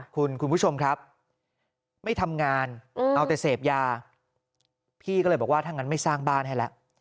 คุณผู้ชมครับไม่ทำงานเอาแต่เสพยาพี่ก็เลยบอกว่าถ้างั้นไม่สร้างบ้านให้แล้ว